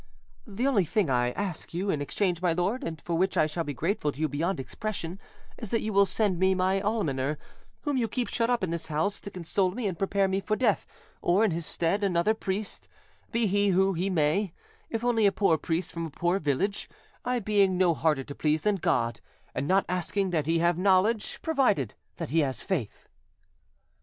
The only thing I ask you in exchange, my lord, and for which I shall be grateful to you beyond expression, is that you will send me my almoner, whom you keep shut up in this house, to console me and prepare me for death, or, in his stead, another priest, be he who he may; if only a poor priest from a poor village, I being no harder to please than God, and not asking that he have knowledge, provided that he has faith."